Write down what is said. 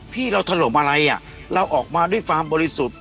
พี่เราถล่มอะไรอ่ะเราออกมาด้วยความบริสุทธิ์